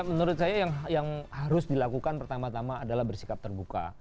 menurut saya yang harus dilakukan pertama tama adalah bersikap terbuka